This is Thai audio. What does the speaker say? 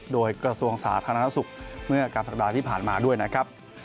โดยกระทรวงศาสตร์ธนาศุกร์เมื่อกลางประกาศที่ผ่านมาด้วยนะครับ